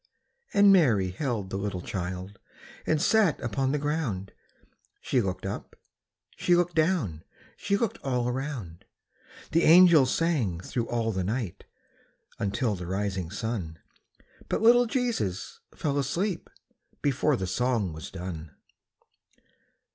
And Mary held the little child And sat upon the ground; She looked up, she looked down, She looked all around. The angels sang thro' all the night Until the rising sun, But little Jesus fell asleep Before the song was done.